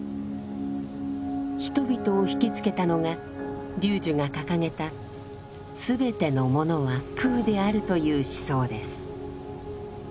人々を惹きつけたのが龍樹が掲げた「すべてのものは空である」という思想です。